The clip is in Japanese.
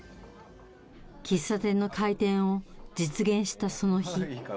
喫茶店の開店を実現したその日。